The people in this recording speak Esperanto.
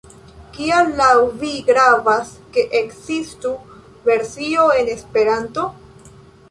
Kial laŭ vi gravas, ke ekzistu versio en Esperanto?